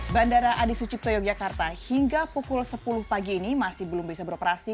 bandara adi sucipto yogyakarta hingga pukul sepuluh pagi ini masih belum bisa beroperasi